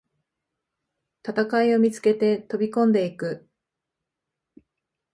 戦いを見つけて飛びこんでいく